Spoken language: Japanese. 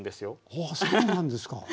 ああそうなんですか。